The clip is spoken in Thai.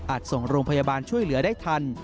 ส่งโรงพยาบาลช่วยเหลือได้ทัน